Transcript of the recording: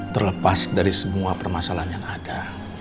terlepas dari semua permasalahan yang ada